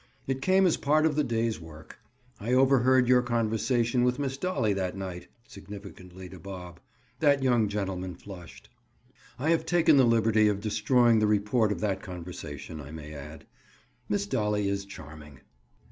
It came as part of the day's work. I overheard your conversation with Miss Dolly that night." Significantly to Bob. That young gentleman flushed. "I have taken the liberty of destroying the report of that conversation, I may add. Miss Dolly is charming."